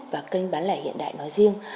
và kênh bán lẻ hiện đại nói riêng